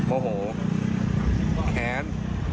โอ้โหแค้น